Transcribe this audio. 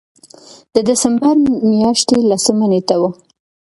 د دسمبر مياشتې لسمه نېټه وه